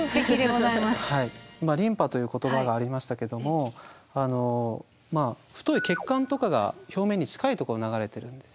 今リンパという言葉がありましたけども太い血管とかが表面に近いところを流れてるんですよね。